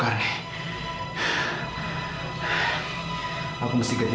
kau orang apa yang service ke dia